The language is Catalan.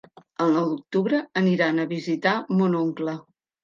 El nou d'octubre aniran a visitar mon oncle.